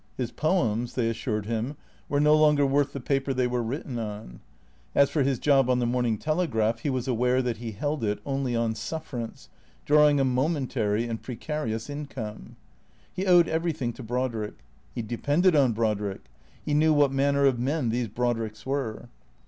His poems, they assured him, were no longer worth the paper they were written on. As for his job on the " Morning Telegraph," he was aware that he held it only on sufferance, drawing a momentary and precarious income. He owed everything to Brodrick. He depended on Brodrick. He knew what manner of men these Brodricks were.